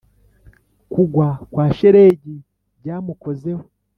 kugwa kwa shelegi byamukozeho,,